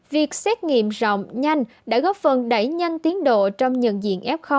việc xét nghiệm rộng nhanh đã góp phần đẩy nhanh tiến độ trong nhận diện f